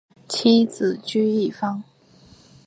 妻子琚逸芳。